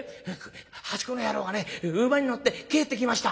「八公の野郎がね馬に乗って帰ってきました」。